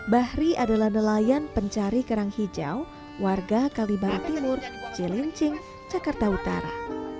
bahri adalah nelayan pencari kerang hijau warga kalibaru timur cilincing jakarta utara